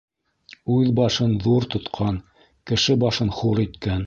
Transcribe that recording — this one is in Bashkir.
Үҙ башын ҙур тотҡан, кеше башын хур иткән.